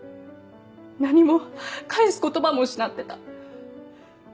何も返す言葉も失ってた。